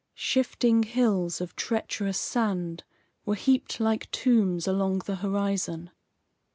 Shifting hills of treacherous sand were heaped like tombs along the horizon.